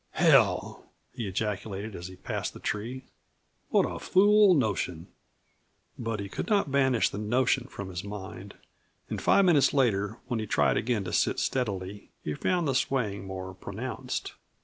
"Hell!" he ejaculated, as he passed the tree, "what a fool notion." But he could not banish the "notion" from his mind, and five minutes later, when he tried again to sit steadily, he found the swaying more pronounced.